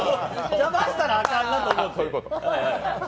邪魔したらあかんなと思って。